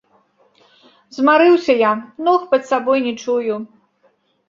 Змарыўся я, ног пад сабой не чую.